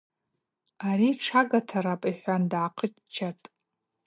Ари тшага тарапӏ, – йхӏван дгӏахъыччатӏ.